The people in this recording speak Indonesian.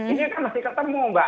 ini kan masih ketemu mbak